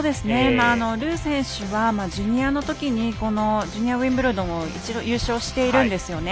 ルー選手はジュニアのときにジュニアウィンブルドンを一度、優勝しているんですよね。